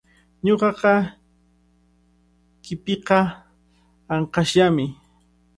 Ñuqapa qipiiqa ankashllami.